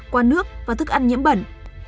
qua nước và thức ăn nhiễm bẩn